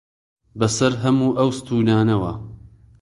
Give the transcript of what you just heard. بەسەر هەموو ئەو ستوونانەوە